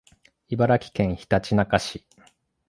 茨城県ひたちなか市